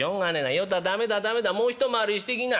与太駄目だ駄目だもう一回りしてきな。